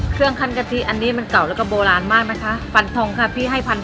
เครื่องคันกะทิอันนี้มันเก่าแล้วก็โบราณมากมั้ยคะฟันทองค่ะพี่ให้๑๒๐๐บาทค่ะ